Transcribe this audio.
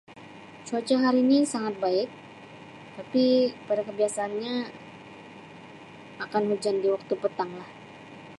Cuaca hari ini sangat baik tapi pada kebiasaanya akan hujan di waktu petang lah.